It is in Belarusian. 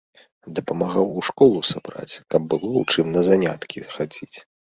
Дапамагаў у школу сабраць, каб было ў чым на заняткі хадзіць.